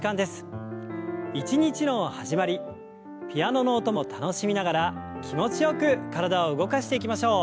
一日の始まりピアノの音も楽しみながら気持ちよく体を動かしていきましょう。